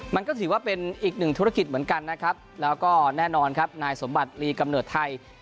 มันก็ถือว่าเป็นอีกหนึ่งธุรกิจเหมือนกันนะครับแล้วก็แน่นอนครับนายสมบัติลีกำเนิดไทย